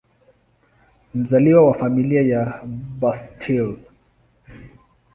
Mzaliwa wa Familia ya Bustill.